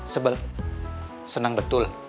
sebel senang betul